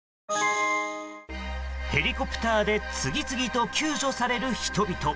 ヘリコプターで次々と救助される人々。